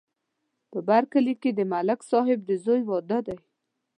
په بر کلي کې د ملک صاحب د زوی واده دی